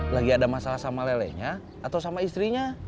lagi ada masalah sama lele nya atau sama istrinya